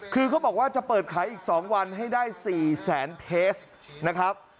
คือเขาบอกว่าจะเปิดขายอีก๒วันให้ได้๔แสนเทสนะครับ